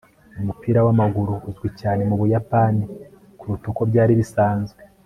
umupira w'amaguru uzwi cyane mu buyapani kuruta uko byari bisanzwe